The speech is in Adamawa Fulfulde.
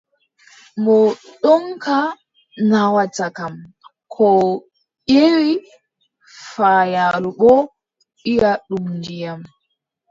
Mo ɗomka naawata kam, koo ƴeewi faayaalo boo, wiʼa ɗum ndiyam.